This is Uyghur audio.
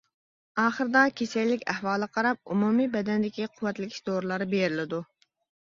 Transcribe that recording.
ئاخىرىدا كېسەللىك ئەھۋالىغا قاراپ ئومۇمىي بەدەندىكى قۇۋۋەتلىگۈچى دورىلار بېرىلىدۇ.